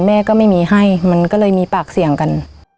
แม่ก็ไม่มีให้มันก็เลยมีปากเสียงกัน